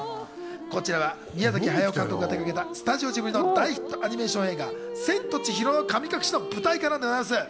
こちらは宮崎駿監督が手がけたスタジオジブリの大ヒットアニメーション映画『千と千尋の神隠し』の舞台化でございます。